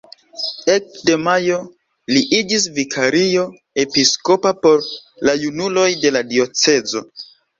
Ekde majo li iĝis vikario episkopa por la junuloj de la diocezo.